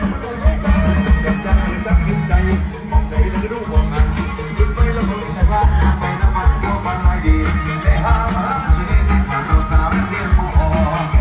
หน้าตาน้ำตามนุษย์แม่น้ำอีสานีเป็นฝวง